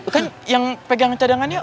kan yang pegang cadangannya